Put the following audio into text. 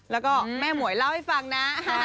แล้วก็แม่หมวยเล่าให้ฟังนะ